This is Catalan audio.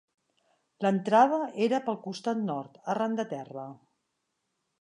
L'entrada era pel costat nord, arran de terra.